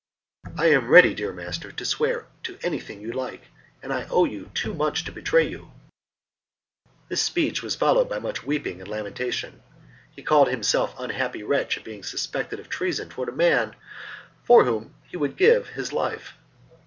"I am ready, dear master, to swear to anything you like, and I owe you too much to betray you." This speech was followed by much weeping and lamentation. He called himself unhappy wretch at being suspected of treason towards a man for whom he would have given his life.